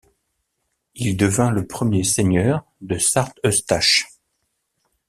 Il devint le premier seigneur de Sart-Eustache.